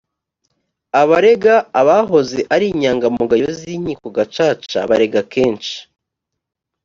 abarega abahoze ari inyangamugayo z inkiko gacaca barega kenshi